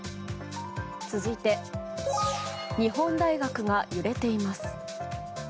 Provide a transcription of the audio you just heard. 続いて日本大学が揺れています。